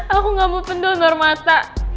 aku gak mau pendung mata